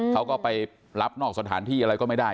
เขาก็ไปรับนอกสถานที่อะไรก็ไม่ได้